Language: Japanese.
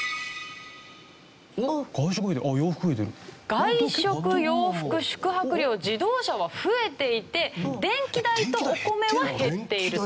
外食洋服宿泊料自動車は増えていて電気代とお米は減っていると。